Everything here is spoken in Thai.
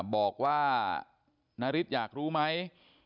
บอกว่านาริสอยากรู้ไหม